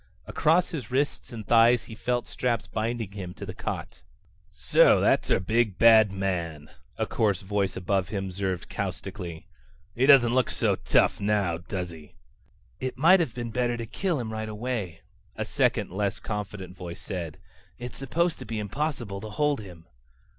Across his wrists and thighs he felt straps binding him to the cot. "So that's our big, bad man," a coarse voice above him observed caustically. "He doesn't look so tough now, does he?" "It might have been better to kill him right away," a second, less confident voice said. "It's supposed to be impossible to hold him."